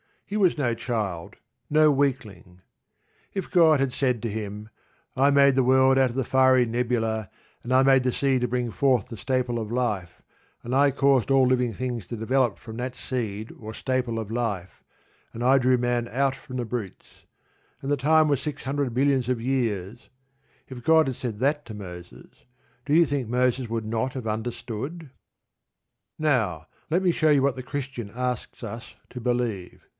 He was no child, no weakling. If God had said to him: "I made the world out of the fiery nebula, and I made the sea to bring forth the staple of life, and I caused all living things to develop from that seed or staple of life, and I drew man out from the brutes; and the time was six hundred millions of years" if God had said that to Moses, do you think Moses would not have understood? Now, let me show you what the Christian asks us to believe.